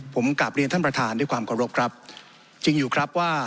ผมกลับเรียนท่านประธานด้วยความเคารพครับจริงอยู่ครับว่า